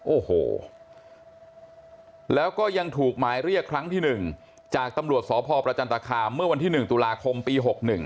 โอ้โหแล้วก็ยังถูกหมายเรียกครั้งที่๑จากตำรวจสพประจันตคามเมื่อวันที่๑ตุลาคมปี๖๑